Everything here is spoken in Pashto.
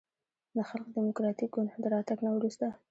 د خلق دیموکراتیک ګوند د راتګ نه وروسته